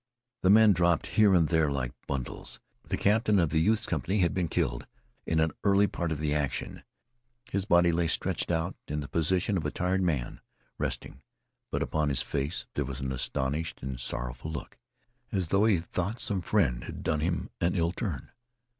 The men dropped here and there like bundles. The captain of the youth's company had been killed in an early part of the action. His body lay stretched out in the position of a tired man resting, but upon his face there was an astonished and sorrowful look, as if he thought some friend had done him an ill turn.